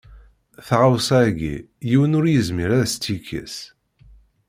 Taɣawsa-ayi yiwen ur yezmir ad as-tt-yekkes.